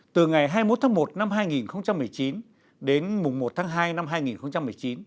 từ ngày hai mươi một tháng một năm hai nghìn một mươi chín đến mùng một tháng hai năm hai nghìn một mươi chín